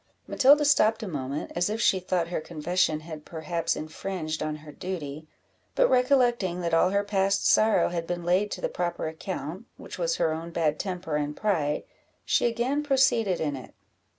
Matilda stopped a moment, as if she thought her confession had perhaps infringed on her duty; but recollecting that all her past sorrow had been laid to the proper account, which was her own bad temper and pride, she again proceeded in it.